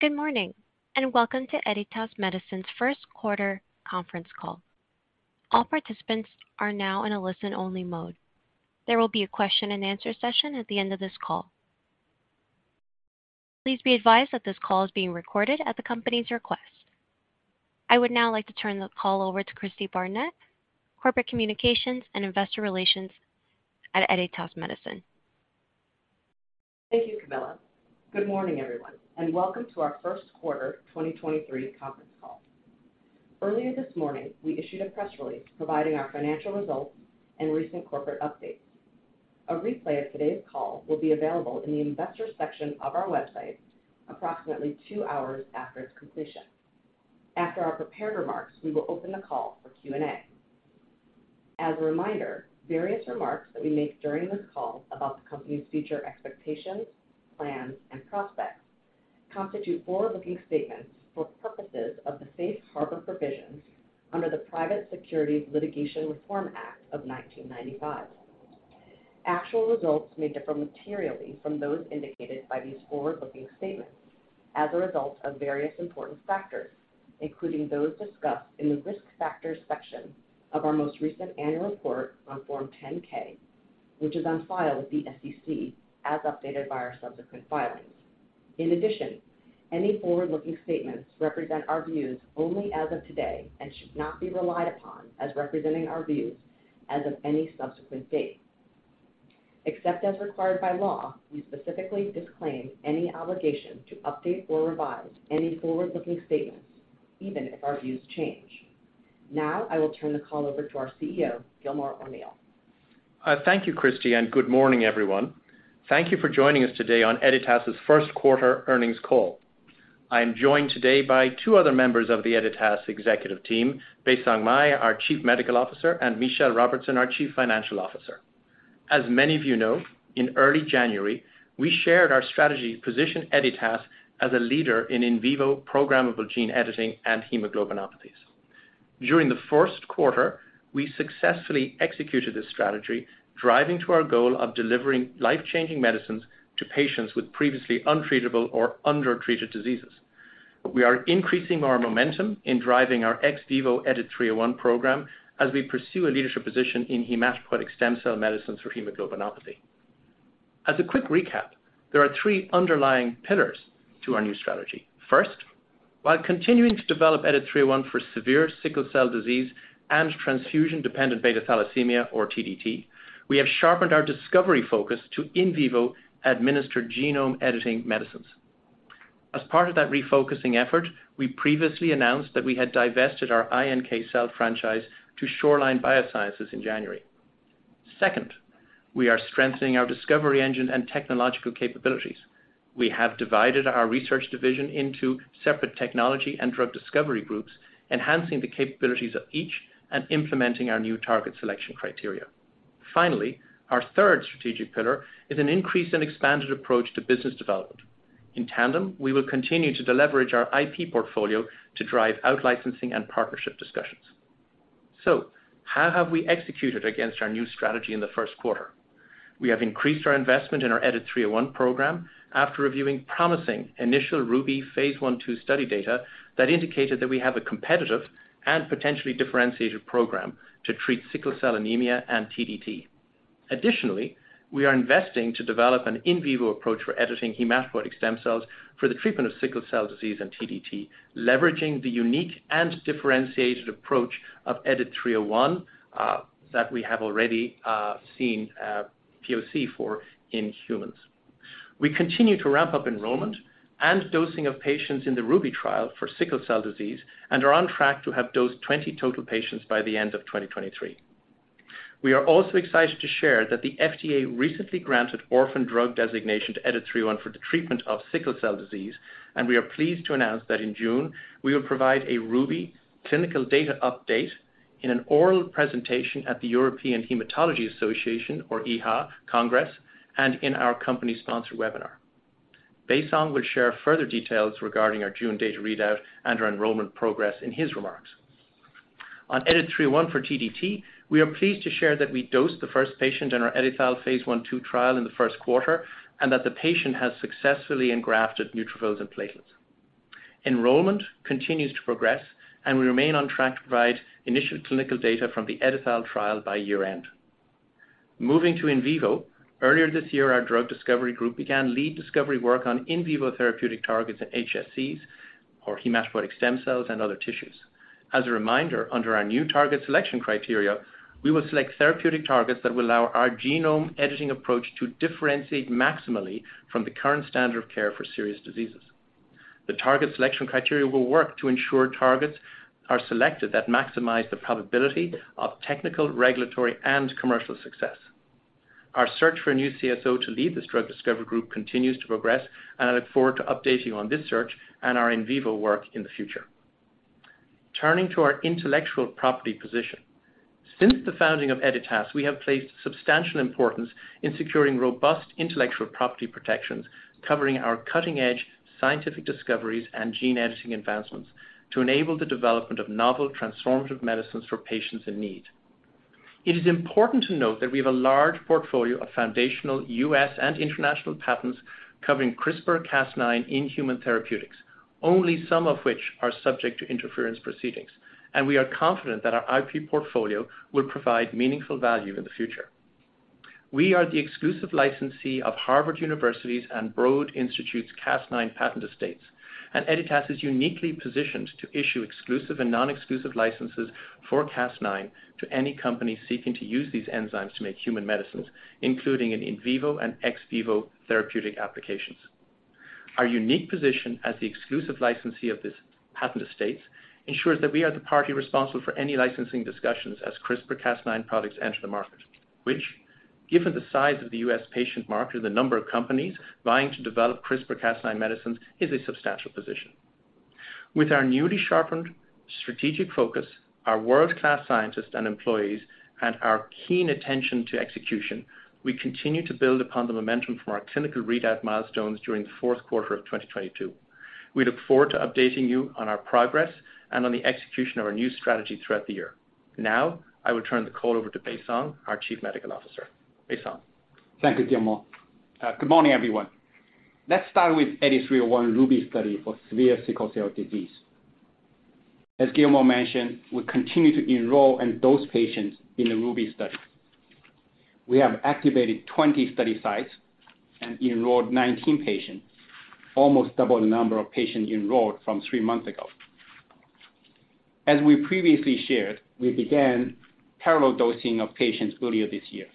Good morning, welcome to Editas Medicine's First Quarter Conference Call. All participants are now in a listen-only mode. There will be a question and answer session at the end of this call. Please be advised that this call is being recorded at the company's request. I would now like to turn the call over to Cristi Barnett, Corporate Communications and Investor Relations at Editas Medicine. Thank you, Camilla. Good morning, everyone, and welcome to our first quarter 2023 conference call. Earlier this morning, we issued a press release providing our financial results and recent corporate updates. A replay of today's call will be available in the investors section of our website approximately two hours after its completion. After our prepared remarks, we will open the call for Q&A. As a reminder, various remarks that we make during this call about the company's future expectations, plans, and prospects constitute forward-looking statements for purposes of the safe harbor provisions under the Private Securities Litigation Reform Act of 1995. Actual results may differ materially from those indicated by these forward-looking statements as a result of various important factors, including those discussed in the Risk Factors section of our most recent annual report on Form 10-K, which is on file with the SEC as updated by our subsequent filings. In addition, any forward-looking statements represent our views only as of today and should not be relied upon as representing our views as of any subsequent date. Except as required by law, we specifically disclaim any obligation to update or revise any forward-looking statements, even if our views change. Now, I will turn the call over to our CEO, Gilmore O'Neill. Thank you, Cristi, and good morning, everyone. Thank you for joining us today on Editas's first quarter earnings call. I am joined today by two other members of the Editas Executive team, Baisong Mei, our Chief Medical Officer, and Michelle Robertson, our Chief Financial Officer. As many of you know, in early January, we shared our strategy to position Editas as a leader in in vivo programmable gene editing and hemoglobinopathies. During the first quarter, we successfully executed this strategy, driving to our goal of delivering life-changing medicines to patients with previously untreatable or undertreated diseases. We are increasing our momentum in driving our ex vivo EDIT-301 program as we pursue a leadership position in hematopoietic stem cell medicines for hemoglobinopathy. As a quick recap, there are three underlying pillars to our new strategy. First, while continuing to develop EDIT-301 for severe sickle cell disease and transfusion-dependent beta thalassemia, or TDT, we have sharpened our discovery focus to in vivo-administered genome editing medicines. As part of that refocusing effort, we previously announced that we had divested our iNK cell franchise to Shoreline Biosciences in January. Second, we are strengthening our discovery engine and technological capabilities. We have divided our research division into separate technology and drug discovery groups, enhancing the capabilities of each and implementing our new target selection criteria. Finally, our third strategic pillar is an increased and expanded approach to business development. In tandem, we will continue to deleverage our IP portfolio to drive out-licensing and partnership discussions. How have we executed against our new strategy in the first quarter? We have increased our investment in our EDIT-301 program after reviewing promising initial RUBY phase I/II study data that indicated that we have a competitive and potentially differentiated program to treat sickle cell anemia and TDT. Additionally, we are investing to develop an in vivo approach for editing hematopoietic stem cells for the treatment of sickle cell disease and TDT, leveraging the unique and differentiated approach of EDIT-301, that we have already seen a PoC for in humans. We continue to ramp up enrollment and dosing of patients in the RUBY trial for sickle cell disease and are on track to have dosed 20 total patients by the end of 2023. We are also excited to share that the FDA recently granted Orphan Drug Designation to EDIT-301 for the treatment of sickle cell disease. We are pleased to announce that in June, we will provide a RUBY clinical data update in an oral presentation at the European Hematology Association, or EHA, Congress. In our company-sponsored webinar, Baisong will share further details regarding our June data readout and our enrollment progress in his remarks. On EDIT-301 for TDT, we are pleased to share that we dosed the first patient in our EdiTHAL phase I/II trial in the first quarter. The patient has successfully engrafted neutrophils and platelets. Enrollment continues to progress. We remain on track to provide initial clinical data from the EdiTHAL trial by year-end. Moving to in vivo, earlier this year, our drug discovery group began lead discovery work on in vivo therapeutic targets in HSCs, or hematopoietic stem cells, and other tissues. As a reminder, under our new target selection criteria, we will select therapeutic targets that will allow our genome editing approach to differentiate maximally from the current standard of care for serious diseases. The target selection criteria will work to ensure targets are selected that maximize the probability of technical, regulatory, and commercial success. Our search for a new CSO to lead this drug discovery group continues to progress. I look forward to updating you on this search and our in vivo work in the future. Turning to our intellectual property position. Since the founding of Editas, we have placed substantial importance in securing robust intellectual property protections covering our cutting-edge scientific discoveries and gene editing advancements to enable the development of novel transformative medicines for patients in need. It is important to note that we have a large portfolio of foundational U.S. and international patents covering CRISPR Cas9 in human therapeutics, only some of which are subject to interference proceedings, and we are confident that our IP portfolio will provide meaningful value in the future. We are the exclusive licensee of Harvard University's and Broad Institute's Cas9 patent estates, and Editas is uniquely positioned to issue exclusive and non-exclusive licenses for Cas9 to any company seeking to use these enzymes to make human medicines, including in vivo and ex vivo therapeutic applications. Our unique position as the exclusive licensee of this patent estate ensures that we are the party responsible for any licensing discussions as CRISPR Cas9 products enter the market, which given the size of the U.S. patient market and the number of companies vying to develop CRISPR Cas9 medicines, is a substantial position. With our newly sharpened strategic focus, our world-class scientists and employees, and our keen attention to execution, we continue to build upon the momentum from our clinical readout milestones during the fourth quarter of 2022. We look forward to updating you on our progress and on the execution of our new strategy throughout the year. I will turn the call over to Baisong Mei, our Chief Medical Officer. Baisong Mei. Thank you, Gilmore. Good morning, everyone. Let's start with EDIT-301 RUBY study for severe sickle cell disease. As Gilmore mentioned, we continue to enroll and dose patients in the RUBY study. We have activated 20 study sites and enrolled 19 patients, almost double the number of patients enrolled from three months ago. As we previously shared, we began parallel dosing of patients earlier this year.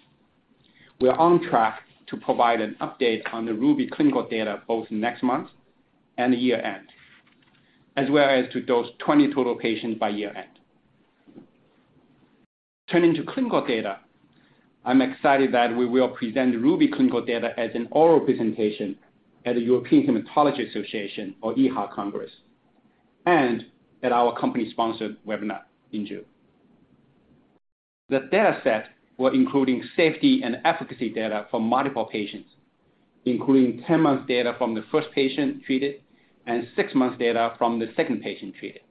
We are on track to provide an update on the RUBY clinical data both next month and year-end, as well as to dose 20 total patients by year-end. Turning to clinical data, I'm excited that we will present RUBY clinical data as an oral presentation at the European Hematology Association, or EHA Congress, and at our company-sponsored webinar in June. The dataset will including safety and efficacy data from multiple patients, including 10 months data from the first patient treated and six months data from the second patient treated,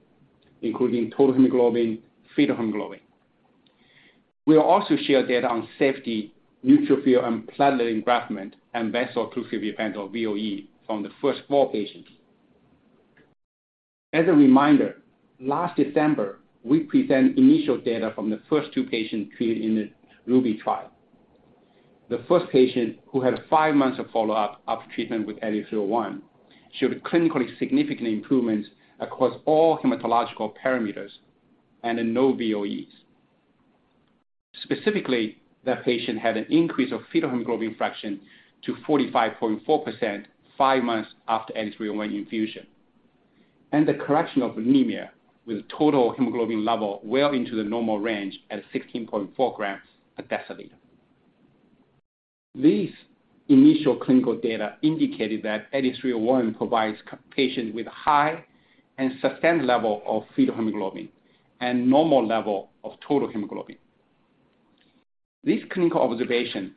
including total hemoglobin, fetal hemoglobin. We'll also share data on safety, neutrophil, and platelet engraftment, and vessel occlusion event, or VOE, from the first four patients. As a reminder, last December, we present initial data from the first two patients treated in the RUBY trial. The first patient, who had five months of follow-up after treatment with EDIT-301, showed clinically significant improvements across all hematological parameters and then no VOEs. Specifically, that patient had an increase of fetal hemoglobin fraction to 45.4% five months after EDIT-301 infusion, and the correction of anemia with total hemoglobin level well into the normal range at 16.4 grams per deciliter. These initial clinical data indicated that EDIT-301 provides patients with high and sustained level of fetal hemoglobin and normal level of total hemoglobin. This clinical observation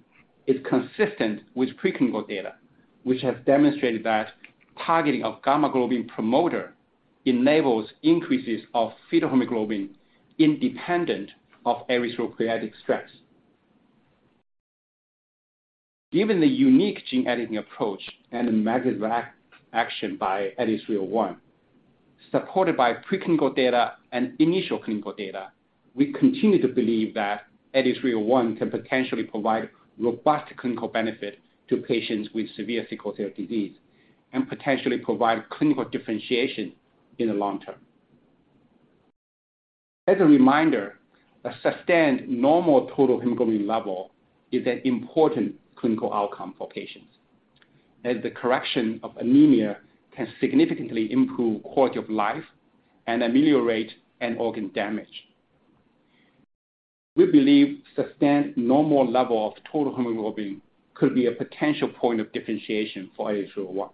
is consistent with preclinical data, which has demonstrated that targeting of gamma-globin promoter enables increases of fetal hemoglobin independent of erythropoietic stress. Given the unique gene editing approach and the mechanism of action by EDIT-301, supported by preclinical data and initial clinical data, we continue to believe that EDIT-301 can potentially provide robust clinical benefit to patients with severe sickle cell disease and potentially provide clinical differentiation in the long term. As a reminder, a sustained normal total hemoglobin level is an important clinical outcome for patients, as the correction of anemia can significantly improve quality of life and ameliorate end organ damage. We believe sustained normal level of total hemoglobin could be a potential point of differentiation for EDIT-301.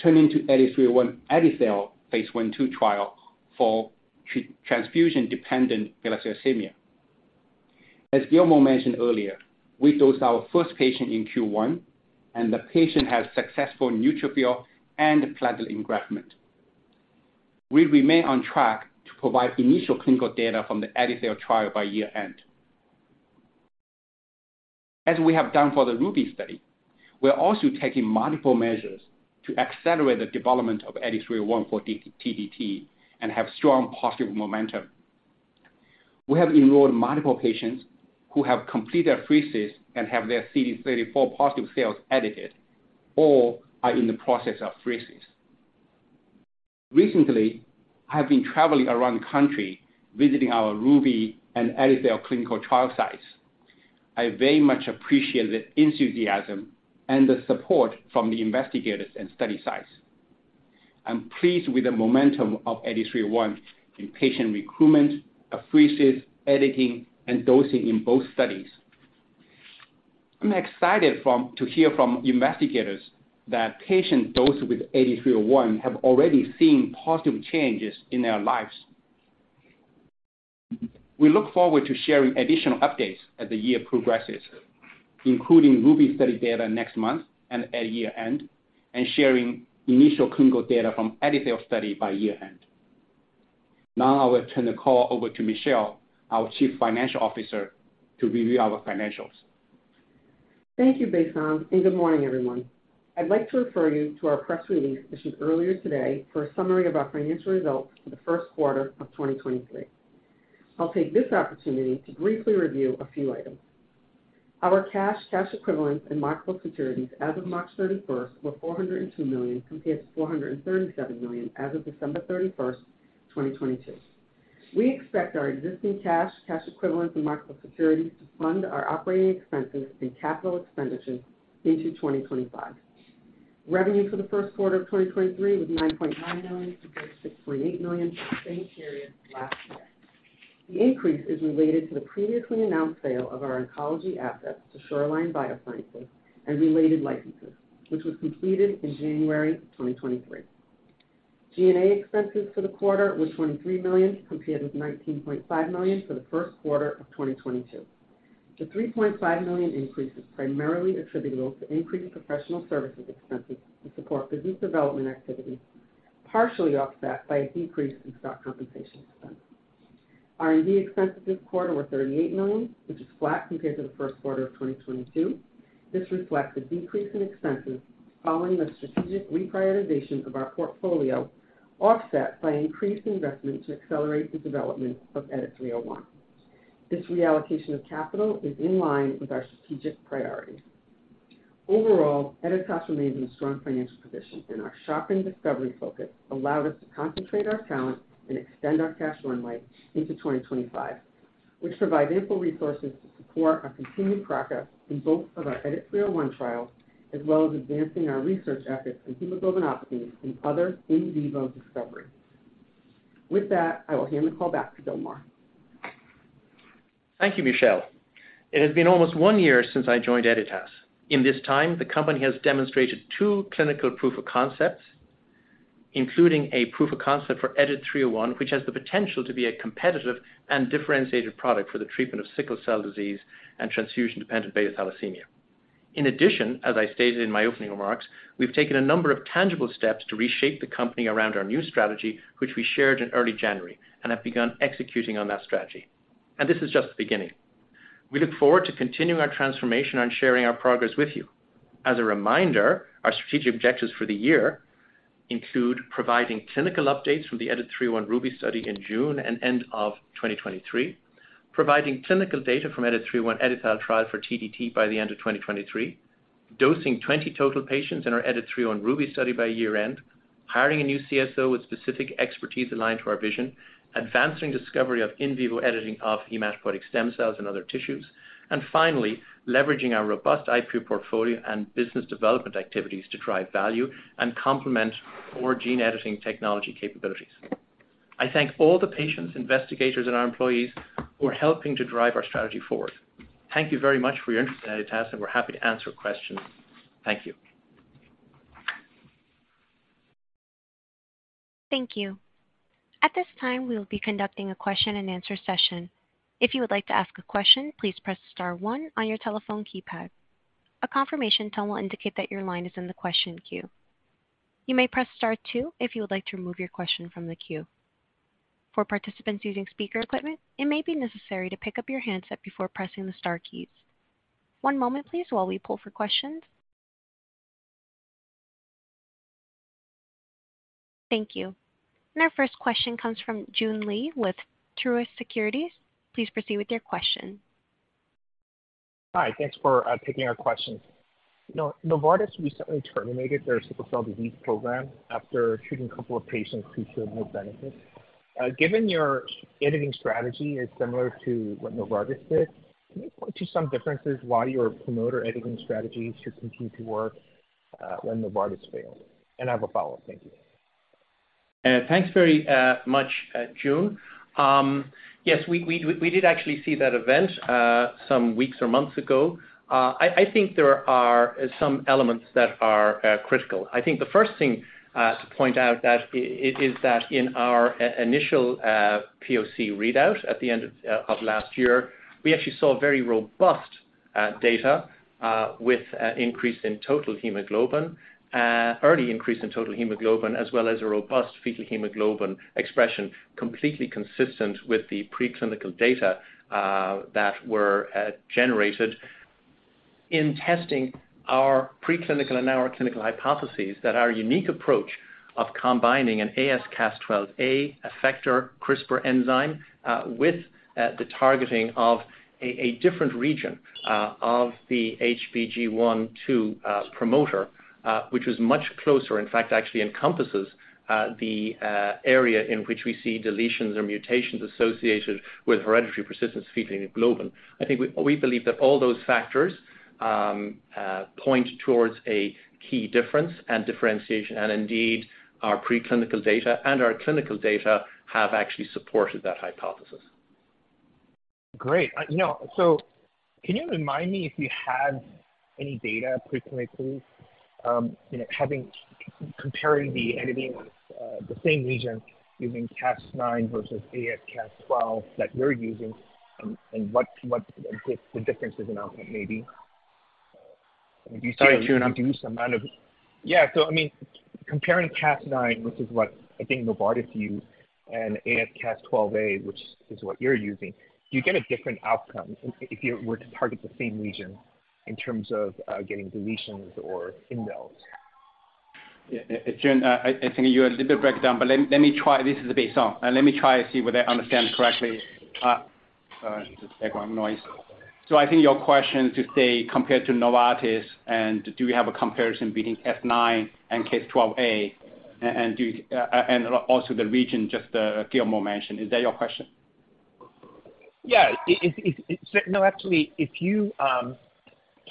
Turning to EDIT-301/reni-cel phase I/II trial for transfusion-dependent thalassemia. As Gilmore mentioned earlier, we dosed our first patient in Q1, and the patient has successful neutrophil and platelet engraftment. We remain on track to provide initial clinical data from the reni-cel trial by year-end. As we have done for the RUBY study, we are also taking multiple measures to accelerate the development of EDIT-301 for TDT and have strong positive momentum. We have enrolled multiple patients who have completed apheresis and have their CD34 positive cells edited or are in the process of apheresis. Recently, I have been traveling around the country visiting our RUBY and reni-cel clinical trial sites. I very much appreciate the enthusiasm and the support from the investigators and study sites. I'm pleased with the momentum of EDIT-301 in patient recruitment, apheresis, editing, and dosing in both studies. I'm excited to hear from investigators that patients dosed with EDIT-301 have already seen positive changes in their lives. We look forward to sharing additional updates as the year progresses including RUBY study data next month and at year-end, sharing initial clinical data from EdiTHAL study by year-end. Now I will turn the call over to Michelle, our Chief Financial Officer, to review our financials. Thank you, Baisong, good morning, everyone. I'd like to refer you to our press release issued earlier today for a summary of our financial results for the first quarter of 2023. I'll take this opportunity to briefly review a few items. Our cash equivalents, and marketable securities as of March 31st were $402 million, compared to $437 million as of December 31st, 2022. We expect our existing cash equivalents, and marketable securities to fund our operating expenses and capital expenditures into 2025. Revenue for the first quarter of 2023 was $9.9 million compared to $6.8 million for the same period last year. The increase is related to the previously announced sale of our oncology assets to Shoreline Biosciences and related licenses, which was completed in January 2023. G&A expenses for the quarter were $23 million, compared with $19.5 million for the first quarter of 2022. The $3.5 million increase is primarily attributable to increased professional services expenses to support product development activity, partially offset by a decrease in stock compensation expense. R&D expenses this quarter were $38 million, which is flat compared to the first quarter of 2022. This reflects a decrease in expenses following the strategic reprioritization of our portfolio, offset by increased investment to accelerate the development of EDIT-301. This reallocation of capital is in line with our strategic priorities. Overall, Editas remains in a strong financial position, and our sharp and discovery focus allowed us to concentrate our talent and extend our cash runway into 2025, which provide ample resources to support our continued progress in both of our EDIT-301 trials, as well as advancing our research efforts in hemoglobinopathies and other in vivo discovery. With that, I will hand the call back to Gilmore. Thank you, Michelle. It has been almost one year since I joined Editas. In this time, the company has demonstrated two clinical proof of concepts, including a proof of concept for EDIT-301, which has the potential to be a competitive and differentiated product for the treatment of sickle cell disease and transfusion-dependent beta thalassemia. In addition, as I stated in my opening remarks, we've taken a number of tangible steps to reshape the company around our new strategy, which we shared in early January and have begun executing on that strategy. This is just the beginning. We look forward to continuing our transformation and sharing our progress with you. As a reminder, our strategic objectives for the year include providing clinical updates from the EDIT-301 RUBY study in June and end of 2023. Providing clinical data from EDIT-301 EdiTHAL trial for TDT by the end of 2023. Dosing 20 total patients in our EDIT-301 RUBY study by year-end. Hiring a new CSO with specific expertise aligned to our vision. Advancing discovery of in vivo editing of hematopoietic stem cells and other tissues. Finally, leveraging our robust IP portfolio and business development activities to drive value and complement core gene editing technology capabilities. I thank all the patients, investigators, and our employees who are helping to drive our strategy forward. Thank you very much for your interest in Editas, we're happy to answer questions. Thank you. Thank you. At this time, we will be conducting a question and answer session. If you would like to ask a question, please press star one on your telephone keypad. A confirmation tone will indicate that your line is in the question queue. You may press star two if you would like to remove your question from the queue. For participants using speaker equipment, it may be necessary to pick up your handset before pressing the star keys. One moment please while we pull for questions. Thank you. Our first question comes from Joon Lee with Truist Securities. Please proceed with your question. Hi. Thanks for taking our questions. You know, Novartis recently terminated their sickle cell disease program after treating a couple of patients who showed no benefit. Given your editing strategy is similar to what Novartis did, can you point to some differences why your promoter editing strategy should continue to work when Novartis failed? I have a follow-up. Thank you. Thanks very much, Joon. Yes, we did actually see that event some weeks or months ago. I think there are some elements that are critical. I think the first thing to point out is that in our initial POC readout at the end of last year, we actually saw very robust data with an increase in total hemoglobin. Early increase in total hemoglobin, as well as a robust fetal hemoglobin expression, completely consistent with the preclinical data that were generated in testing our preclinical and our clinical hypotheses that our unique approach of combining an AsCas12a effector CRISPR enzyme with the targeting of a different region of the HBG1/2 promoter, which is much closer, in fact, actually encompasses the area in which we see deletions or mutations associated with Hereditary Persistence Fetal Hemoglobin. I think we believe that all those factors point towards a key difference and differentiation. Indeed, our preclinical data and our clinical data have actually supported that hypothesis. Great. you know, can you remind me if you had any data preclinically, you know, comparing the editing on, the same region using Cas9 versus As Cas12 that you're using, what the difference is in outcome may be? Sorry, Joon. Do you use some amount of, yeah. I mean, comparing Cas9, which is what I think Novartis used, and AsCas12a, which is what you're using, do you get a different outcome if you were to target the same region in terms of getting deletions or indels? Yeah, Joon, I think you're a little bit breakdown, but let me try. This is Baisong, and let me try and see whether I understand correctly. Just background noise. I think your question to say compared to Novartis and do we have a comparison between Cas9 and Cas12a and also the region, just Gilmore mentioned. Is that your question? Yeah. No, actually, if you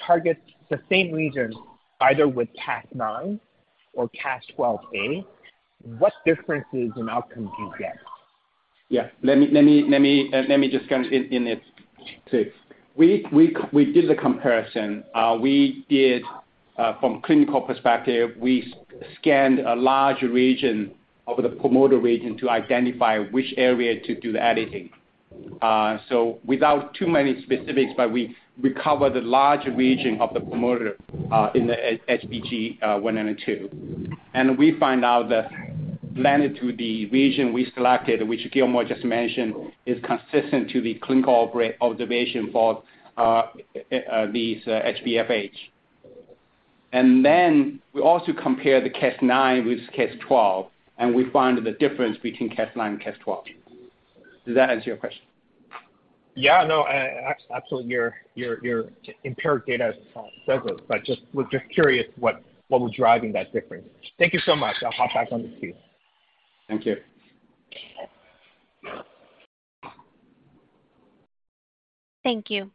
target the same region either with Cas9 or Cas12a, what differences in outcome do you get? Yeah. Let me just kind of in it. We did the comparison. We did from clinical perspective, we scanned a large region of the promoter region to identify which area to do the editing. Without too many specifics, but we cover the large region of the promoter in the HBG /2. We find out that latitude, the region we selected, which Gilmore just mentioned, is consistent to the clinical observation for these HPFH. We also compare the Cas9 with Cas12, and we find the difference between Cas9 and Cas12. Does that answer your question? Yeah, no, absolutely. Your impaired data says it, we're just curious what was driving that difference. Thank you so much. I'll hop back on the queue. Thank you. Thank you.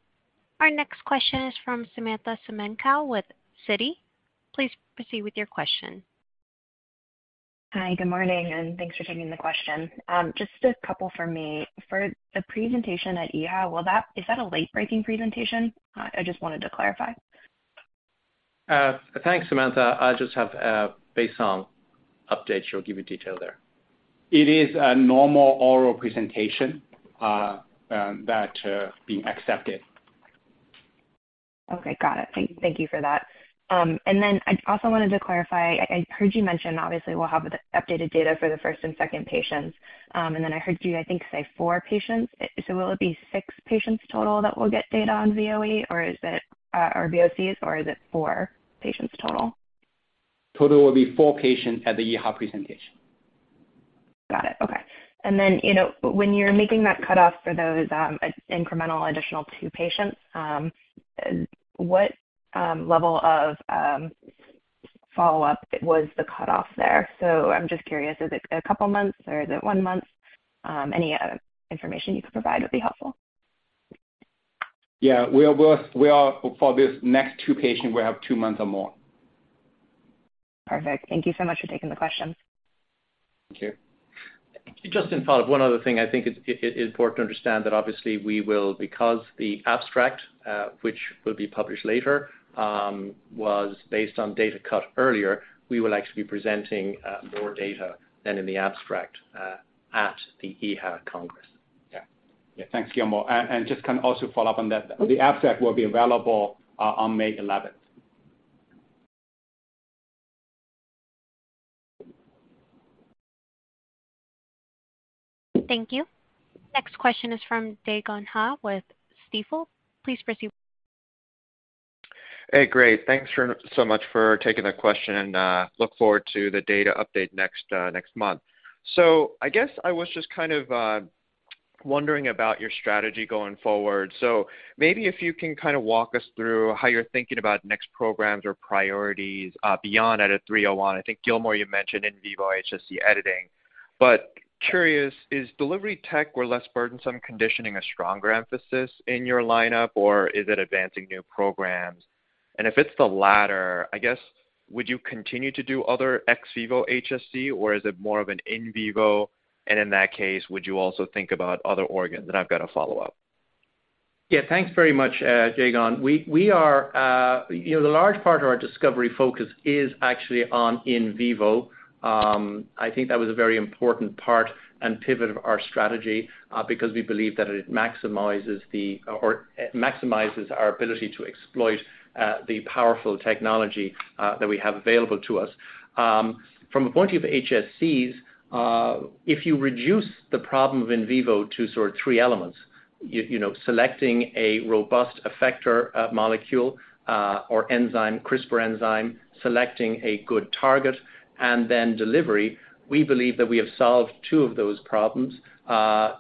Our next question is from Samantha Semenkow with Citi. Please proceed with your question. Hi. Good morning. Thanks for taking the question. Just a couple for me. For the presentation at EHA, is that a late-breaking presentation? I just wanted to clarify. Thanks, Samantha. I just have, based on updates, she'll give you detail there. It is a normal oral presentation, that, being accepted. Okay. Got it. Thank you for that. I also wanted to clarify, I heard you mention obviously we'll have the updated data for the first and second patients. I heard you, I think, say four patients. Will it be six patients total that will get data on VOE or is it, or VOCs or is it four patients total? Total will be four patients at the EHA presentation. Got it. Okay. Then, you know, when you're making that cutoff for those, incremental additional two patients, what level of follow-up was the cutoff there? I'm just curious, is it a couple of months or is it one month? Any information you could provide would be helpful. Yeah. For this next two patient, we have two months or more. Perfect. Thank you so much for taking the question. Thank you. Just in follow-up, one other thing I think is important to understand that obviously we will, because the abstract, which will be published later, was based on data cut earlier, we will actually be presenting more data than in the abstract, at the EHA Congress. Yeah. Thanks, Gilmore. Just can also follow up on that. The abstract will be available on May eleventh. Thank you. Next question is from Dae Gon Ha with Stifel. Please proceed. Hey, great. Thanks for so much for taking the question, look forward to the data update next month. I guess I was just kind of wondering about your strategy going forward. Maybe if you can kind of walk us through how you're thinking about next programs or priorities beyond EDIT-301. I think, Gilmore, you mentioned in vivo HSC editing. Curious, is delivery tech or less burdensome conditioning a stronger emphasis in your lineup, or is it advancing new programs? If it's the latter, I guess, would you continue to do other ex vivo HSC, or is it more of an in vivo? In that case, would you also think about other organs? I've got a follow-up. Yeah. Thanks very much, Dae Gon. We are, you know, the large part of our discovery focus is actually on in vivo. I think that was a very important part and pivot of our strategy because we believe that it maximizes our ability to exploit the powerful technology that we have available to us. From a point of view of HSCs, if you reduce the problem of in vivo to sort three elements, you know, selecting a robust effector molecule or enzyme, CRISPR enzyme, selecting a good target, and then delivery, we believe that we have solved two of those problems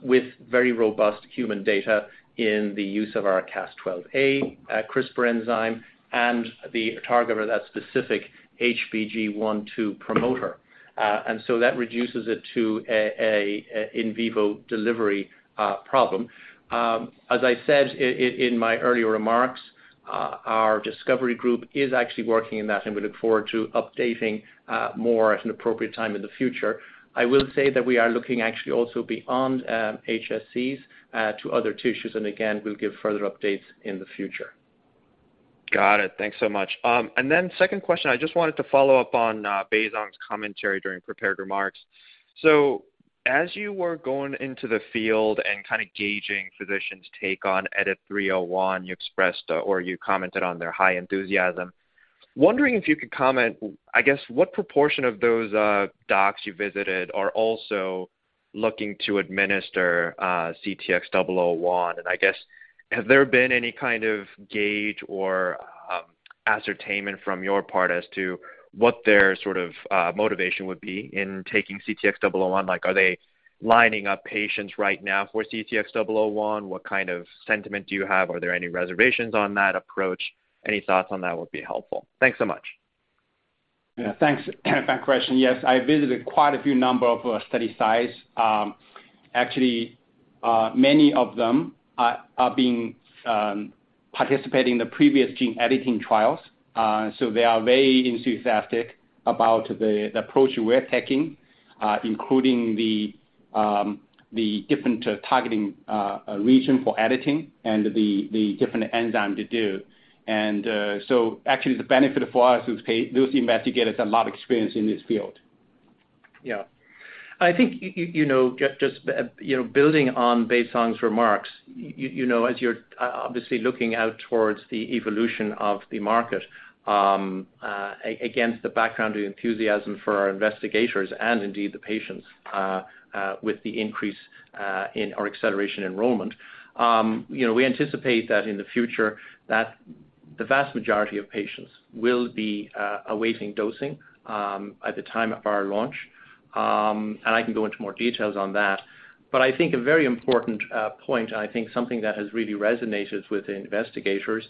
with very robust human data in the use of our Cas12a CRISPR enzyme and the targeter of that specific HBG1/2 promoter. That reduces it to a in vivo delivery problem. As I said in my earlier remarks, our discovery group is actually working in that, and we look forward to updating more at an appropriate time in the future. I will say that we are looking actually also beyond HSCs to other tissues, and again, we'll give further updates in the future. Got it. Thanks so much. Second question, I just wanted to follow up on Baisong's commentary during prepared remarks. As you were going into the field and kind of gauging physicians' take on EDIT-301, you expressed or you commented on their high enthusiasm. Wondering if you could comment, I guess, what proportion of those docs you visited are also looking to administer CTX001? I guess, have there been any kind of gauge or ascertainment from your part as to what their sort of motivation would be in taking CTX001? Like, are they lining up patients right now for CTX001? What kind of sentiment do you have? Are there any reservations on that approach? Any thoughts on that would be helpful. Thanks so much. Yeah. Thanks for that question. Yes, I visited quite a few number of study sites. Actually, many of them are being participating in the previous gene editing trials, so they are very enthusiastic about the approach we're taking, including the different targeting region for editing and the different enzyme to do. Actually the benefit for us is these investigators have a lot of experience in this field. Yeah. I think you know, just, you know, building on Baisong's remarks, you know, as you're obviously looking out towards the evolution of the market, against the background of enthusiasm for our investigators and indeed the patients, with the increase in our acceleration enrollment, you know, we anticipate that in the future that the vast majority of patients will be awaiting dosing at the time of our launch. I can go into more details on that. I think a very important point, I think something that has really resonated with the investigators,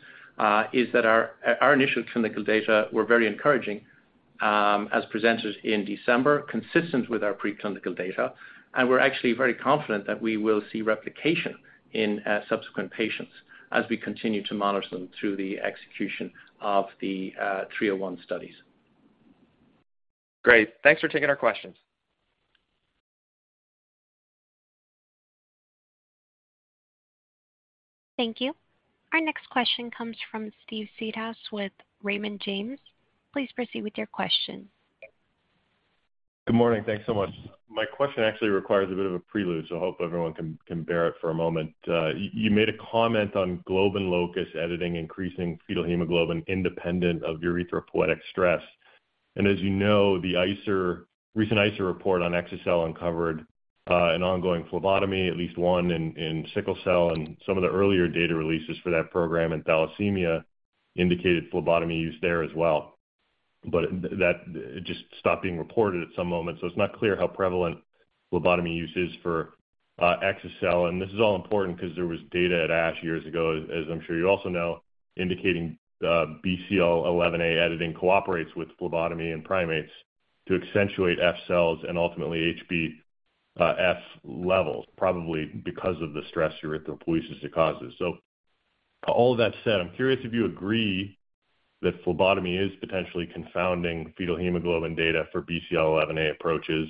is that our initial clinical data were very encouraging, as presented in December, consistent with our preclinical data. We're actually very confident that we will see replication in subsequent patients as we continue to monitor them through the execution of the 301 studies. Great. Thanks for taking our questions. Thank you. Our next question comes from Steve Seedhouse with Raymond James. Please proceed with your question. Good morning. Thanks so much. My question actually requires a bit of a prelude, so I hope everyone can bear it for a moment. You made a comment on globin locus editing increasing fetal hemoglobin independent of erythropoietic stress. As you know, the ICER, recent ICER report on Exa-Cel uncovered an ongoing phlebotomy, at least one in sickle cell, and some of the earlier data releases for that program, and thalassemia indicated phlebotomy use there as well. That just stopped being reported at some moment, so it's not clear how prevalent phlebotomy use is for Exa-cel. This is all important because there was data at ASH years ago, as I'm sure you also know, indicating BCL11A editing cooperates with phlebotomy in primates to accentuate F-cells and ultimately HBF levels, probably because of the stress erythropoiesis causes. All of that said, I'm curious if you agree that phlebotomy is potentially confounding fetal hemoglobin data for BCL11A approaches,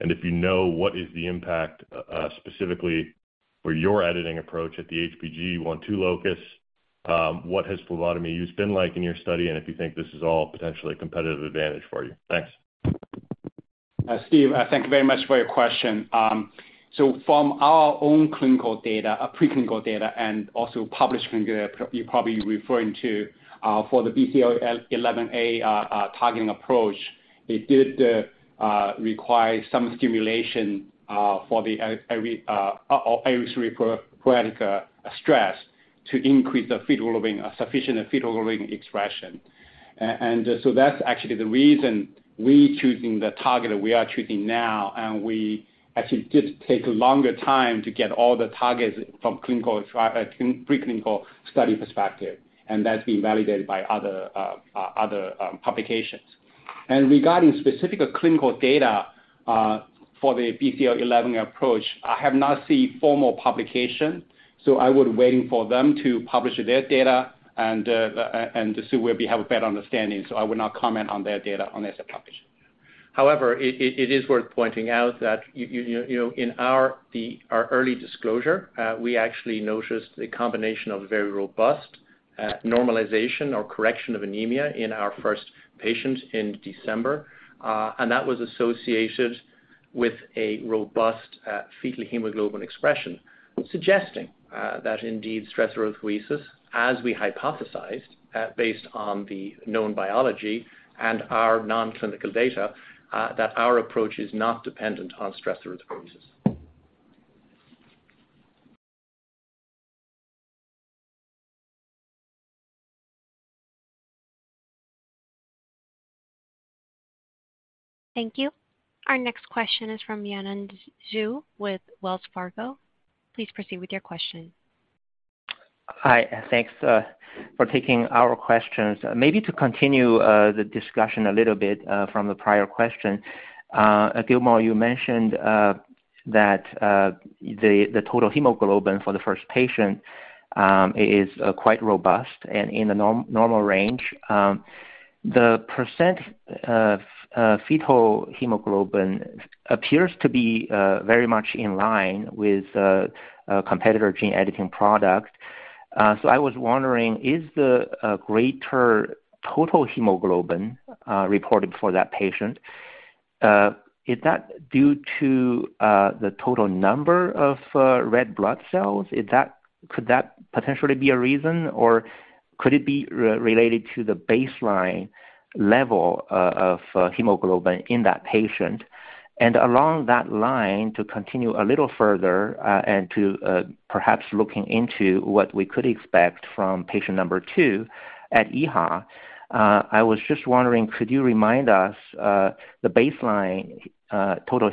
and if you know what is the impact specifically for your editing approach at the HBG1/2 locus, what has phlebotomy use been like in your study, and if you think this is all potentially a competitive advantage for you? Thanks. Steve, thank you very much for your question. From our own clinical data, preclinical data and also published data you're probably referring to, for the BCL11A targeting approach, it did require some stimulation for the erythropoietic stress to increase the fetal hemoglobin, sufficient fetal hemoglobin expression. That's actually the reason we choosing the target we are treating now, and we actually did take a longer time to get all the targets from preclinical study perspective, and that's been validated by other other publications. Regarding specific clinical data, for the BCL11 approach, I have not seen formal publication, so I would waiting for them to publish their data and see where we have a better understanding. I would not comment on their data unless they're published. It is worth pointing out that, you know, in our early disclosure, we actually noticed a combination of very robust normalization or correction of anemia in our first patient in December, and that was associated with a robust fetal hemoglobin expression, suggesting that indeed stress erythropoiesis, as we hypothesized based on the known biology and our non-clinical data, that our approach is not dependent on stress erythropoiesis. Thank you. Our next question is from Yanan Zhu with Wells Fargo. Please proceed with your question. Hi, thanks for taking our questions. Maybe to continue the discussion a little bit from the prior question. Gilmore, you mentioned that the total hemoglobin for the first patient is quite robust and in a normal range. The percent fetal hemoglobin appears to be very much in line with a competitor gene editing product. I was wondering, is the greater total hemoglobin reported for that patient, is that due to the total number of red blood cells? Could that potentially be a reason, or could it be related to the baseline level of hemoglobin in that patient? Along that line, to continue a little further, and to perhaps looking into what we could expect from patient two at EHA, I was just wondering, could you remind us the baseline total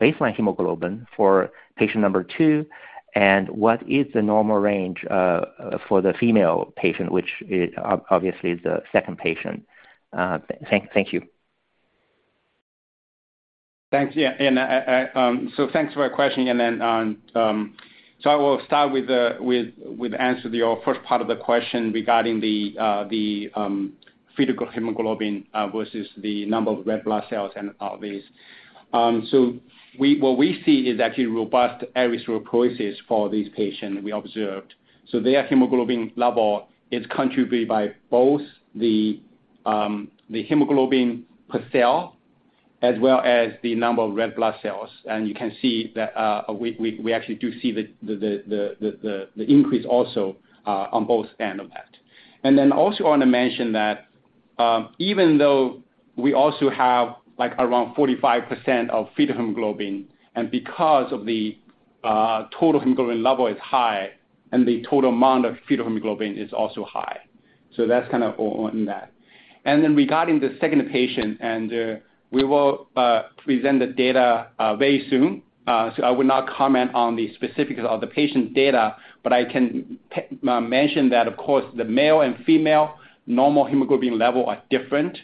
baseline hemoglobin for patient two, and what is the normal range for the female patient, which obviously is the second patient? Thank you. Thanks. Yeah, thanks for your question, Yanan. I will start with answer to your first part of the question regarding the fetal hemoglobin versus the number of red blood cells and all these. What we see is actually robust erythropoiesis for this patient we observed. Their hemoglobin level is contributed by both the hemoglobin per cell as well as the number of red blood cells. You can see that we actually do see the increase also on both end of that. Also want to mention that even though we also have, like, around 45% of fetal hemoglobin, and because of the total hemoglobin level is high, and the total amount of fetal hemoglobin is also high. That's kind of on that. Then regarding the second patient, we will present the data very soon, so I will not comment on the specifics of the patient's data, but I can mention that of course, the male and female normal hemoglobin level are different.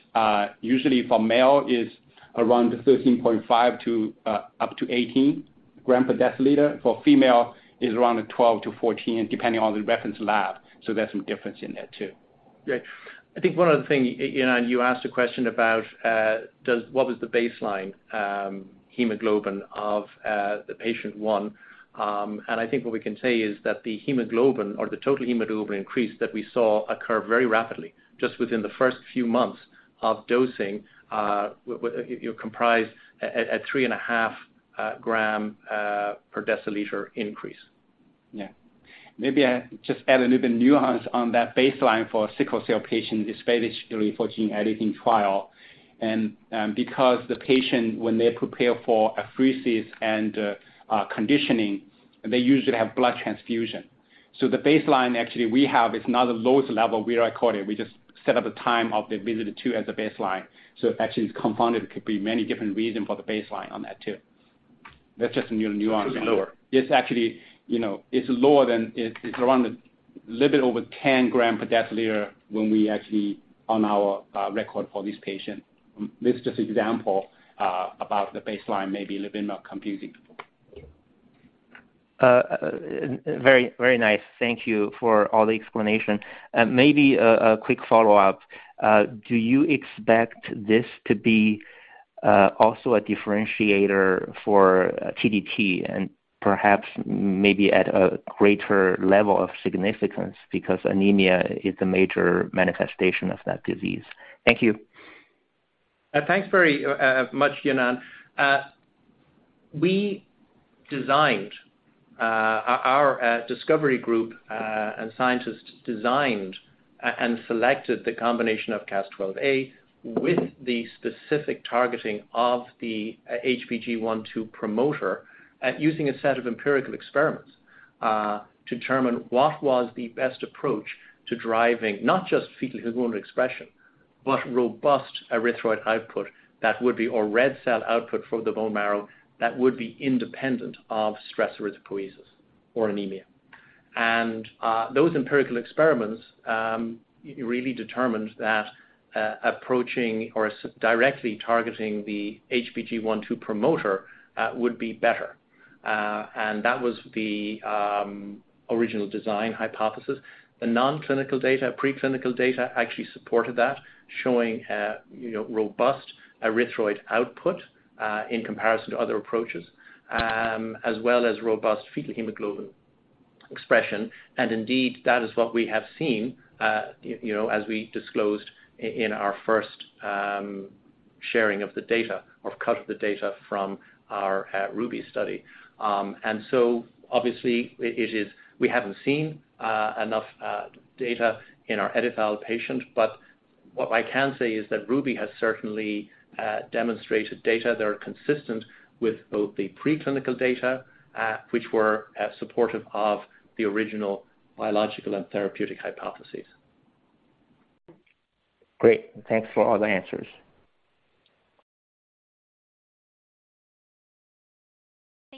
Usually for male is around 13.5 to up to 18 gram per deciliter. For female is around 12 to 14, depending on the reference lab. There's some difference in there too. Great. I think one of the thing, Yanan, you asked a question about, what was the baseline hemoglobin of the patient one. I think what we can say is that the hemoglobin or the total hemoglobin increase that we saw occur very rapidly, just within the first few months of dosing, with, you know, comprise a 3.5 g per dL increase. Yeah. Maybe I just add a little bit nuance on that baseline for sickle cell patient is fairly during 14 editing trial. Because the patient, when they prepare for apheresis and conditioning, they usually have blood transfusion. The baseline actually we have is not the lowest level we recorded. We just set up a time of the visit two as a baseline. Actually it's compounded. It could be many different reason for the baseline on that too. That's just a new nuance. It's lower. It's actually, you know, it's lower than. It's around a little bit over 10 gram per deciliter when we actually on our record for this patient. This just example, about the baseline, maybe a little bit more confusing. Very, very nice. Thank you for all the explanation. Maybe a quick follow-up. Do you expect this to be also a differentiator for TDT and perhaps maybe at a greater level of significance because anemia is a major manifestation of that disease? Thank you. Thanks very much, Yanan. We designed our discovery group and scientists designed and selected the combination of Cas12a with the specific targeting of the HBG1/2 promoter, using a set of empirical experiments to determine what was the best approach to driving not just fetal hemoglobin expression, but robust erythroid output that would be or red cell output for the bone marrow that would be independent of stress erythropoiesis or anemia. Those empirical experiments really determined that approaching or directly targeting the HBG1-2 promoter would be better. That was the original design hypothesis. The non-clinical data, preclinical data actually supported that, showing a, you know, robust erythroid output in comparison to other approaches, as well as robust fetal hemoglobin expression. Indeed, that is what we have seen, you know, as we disclosed in our first sharing of the data or cut of the data from our RUBY study. Obviously, We haven't seen enough data in our EdiTHAL patient, but what I can say is that RUBY has certainly demonstrated data that are consistent with both the preclinical data, which were supportive of the original biological and therapeutic hypotheses. Great. Thanks for all the answers.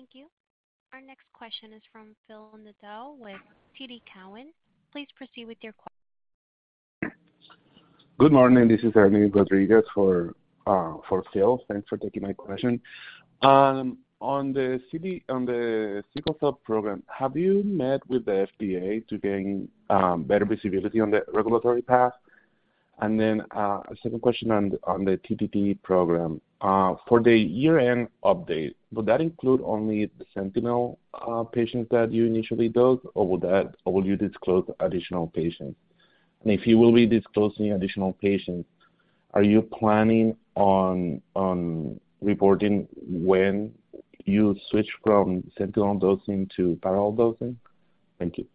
Thank you. Our next question is from Phil Nadeau with TD Cowen. Please proceed with your que- Good morning. This is Ernie Rodriguez for Phil. Thanks for taking my question. On the sickle cell program, have you met with the FDA to gain better visibility on the regulatory path? A second question on the TDT program. For the year-end update, would that include only the Sentinel patients that you initially dosed, or will you disclose additional patients? If you will be disclosing additional patients, are you planning on reporting when you switch from central dosing to parallel dosing? Thank you.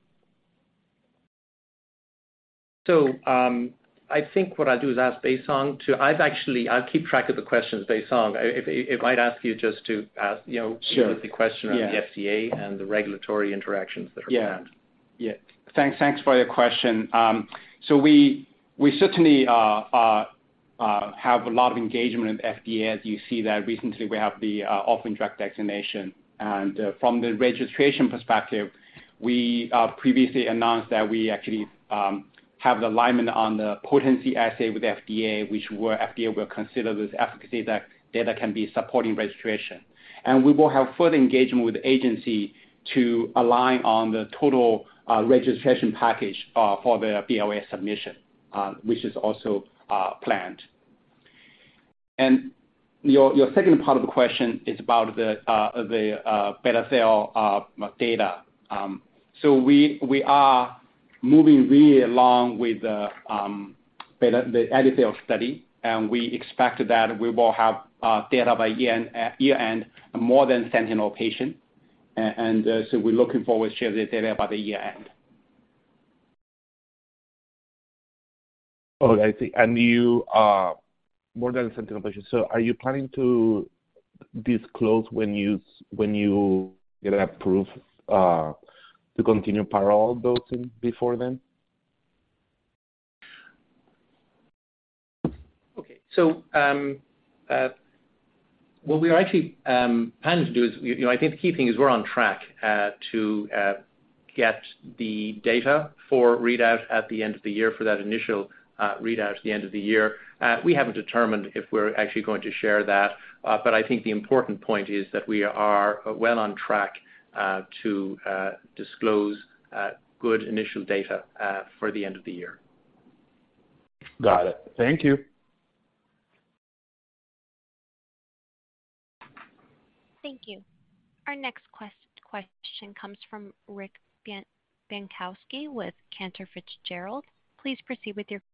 I think what I'll do is ask Baisong to. I actually keep track of the questions, Baisong. If I'd ask you just to ask, you know. Sure. The question on the FDA and the regulatory interactions that are planned. Yeah. Thanks for your question. We certainly have a lot of engagement with FDA, as you see that recently we have the Orphan Drug Designation. From the registration perspective, we previously announced that we actually have the alignment on the potency assay with FDA, which FDA will consider this efficacy data can be supporting registration. We will have further engagement with the agency to align on the total registration package for the BLA submission, which is also planned. Your second part of the question is about the beta cell data. We are moving really along with the EDIT cell study, and we expect that we will have data by year-end, more than Sentinel patient. We're looking forward to share the data by the year-end. Okay. I see. You, more than Sentinel patient. Are you planning to disclose when you get approved to continue parallel dosing before then? Okay. What we are actually planning to do is, you know, I think the key thing is we're on track to get the data for readout at the end of the year, for that initial readout at the end of the year. We haven't determined if we're actually going to share that, but I think the important point is that we are well on track to disclose good initial data for the end of the year. Got it. Thank you. Thank you. Our next question comes from Rick Bienkowski with Cantor Fitzgerald. Please proceed with your question.